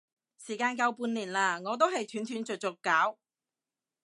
時間夠半年啦，我都係斷斷續續搞